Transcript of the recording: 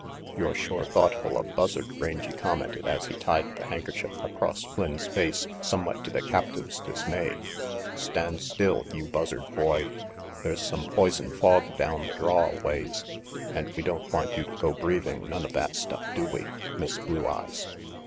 "You're shore thoughtful of Buzzard," Rangy commented as he tied the handkerchief across Flynn's face, somewhat to the captive's dismay. "Stand still, you Buzzard Boy. There's some poison fog down the draw a ways, and we don't want you to go breathing none of that stuff, do we, Miss Blue Eyes?